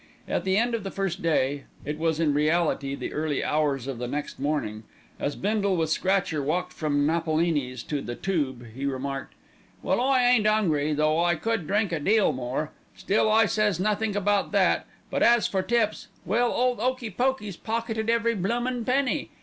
At the end of the first day, it was in reality the early hours of the next morning, as Bindle with Scratcher walked from Napolini's to the Tube, he remarked, "Well, I ain't 'ungry, though I could drink a deal more; still I says nothink about that; but as for tips, well, ole 'Okey Pokey's pocketed every bloomin' penny.